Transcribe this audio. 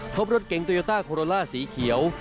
พบรถเก๋งโตโยต้าโคโรล่าสีเขียว